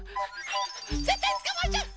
ぜったいつかまえちゃう！